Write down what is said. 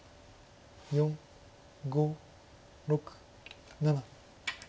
４５６７。